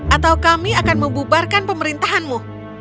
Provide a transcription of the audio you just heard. atau kami akan membubarkan pemerintahanmu